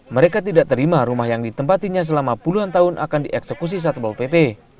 mereka tidak terima rumah yang ditempatinya selama puluhan tahun akan dieksekusi satpol pp